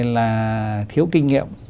là thiếu kinh nghiệm